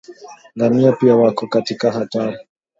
ngamia pia wako katika hatari